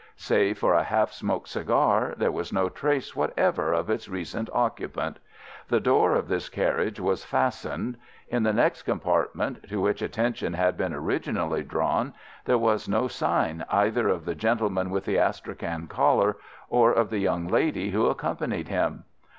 Save for a half smoked cigar, there was no trace whatever of its recent occupant. The door of this carriage was fastened. In the next compartment, to which attention had been originally drawn, there was no sign either of the gentleman with the Astrakhan collar or of the young lady who accompanied him.